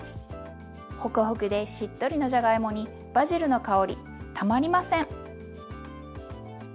ほくほくでしっとりのじゃがいもにバジルの香りたまりません！